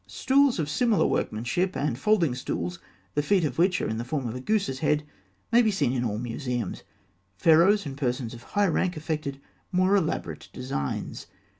Stools of similar workmanship (fig. 269), and folding stools, the feet of which are in the form of a goose's head, may be seen in all museums. Pharaohs and persons of high rank affected more elaborate designs.